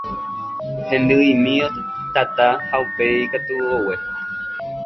Hendy'imi tata ha upéi katu ogue.